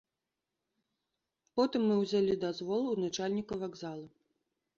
Потым мы ўзялі дазвол у начальніка вакзала.